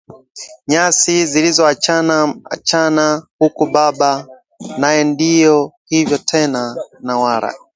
nyasi zilizoachana achana huku baba naye ndio hivyo tena na wala